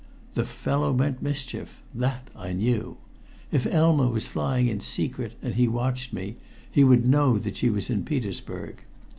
The fellow meant mischief that I knew. If Elma was flying in secret and he watched me, he would know that she was in Petersburg.